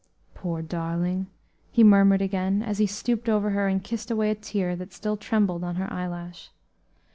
"Poor darling!" he murmured again, as he stooped over her and kissed away a tear that still trembled on her eyelash.